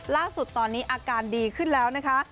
ล่าสุดตอนนี้อาการดีขึ้นแล้วนะคะ